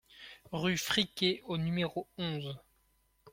Rue de Friquet au numéro onze